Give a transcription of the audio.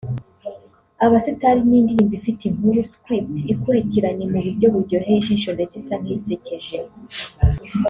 Abasitari’ ni indirimbo ifite inkuru (Script) ikurikiranye mu buryo buryoheye ijisho ndetse isa nk’isekeje